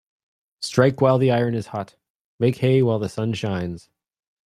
Strike while the iron is hot Make hay while the sun shines